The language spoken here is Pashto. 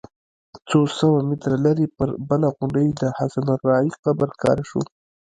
څو سوه متره لرې پر بله غونډۍ د حسن الراعي قبر ښکاره شو.